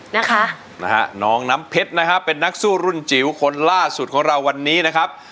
นะคะนะฮะน้องน้ำเพชรนะฮะเป็นนักสู้รุ่นจิ๋วคนล่าสุดของเราวันนี้นะครับ